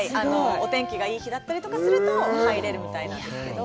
お天気がいい日だったりすると入れるみたいなんですけど。